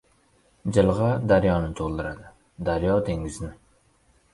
• Jilg‘a daryoni to‘ldiradi, daryo ― dengizni.